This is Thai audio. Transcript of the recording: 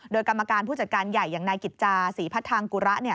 โดยกรรมการผู้จัดการใหญ่อย่างนายกิจจาศรีพัทธางกุระ